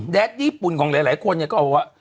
แดดดี้ปุ่นของหลายคนก็บอกว่า